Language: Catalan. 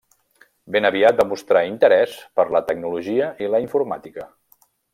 Ben aviat va mostrar interès per la tecnologia i la informàtica.